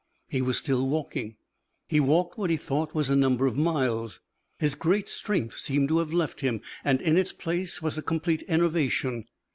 He was still walking. He walked what he thought was a number of miles. His great strength seemed to have left him, and in its place was a complete enervation.